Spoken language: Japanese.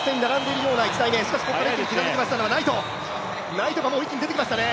ナイトが一気に出てきましたね。